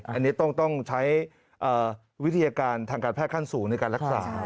อันนี้ต้องใช้วิทยาการทางการแพทย์ขั้นสูงในการรักษา